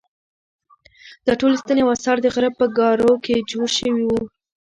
دا ټولې ستنې او اثار د غره په ګارو کې جوړ شوي وو.